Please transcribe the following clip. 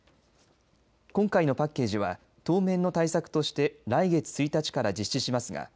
今回のパッケージは当面の対策として来月１日から実施しますが